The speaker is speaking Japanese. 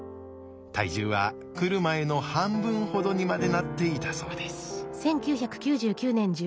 体重は来る前の半分ほどにまでなっていたそうです。